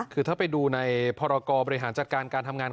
คือถ้าไปดูในพรกรบริหารจัดการการทำงาน